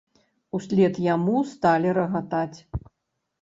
Услед яму сталі рагатаць.